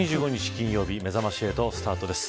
金曜日めざまし８スタートです。